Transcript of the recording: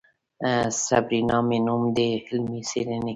سېرېنا مې نوم دی علمي څېړنې کوم.